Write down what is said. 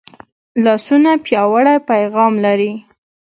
لاسونه پیاوړی پیغام لري